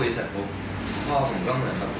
แต่ขออีกพ่อเป็นตำรวจครับ